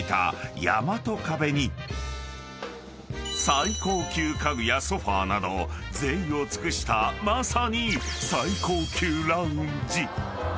［最高級家具やソファなどぜいを尽くしたまさに最高級ラウンジ］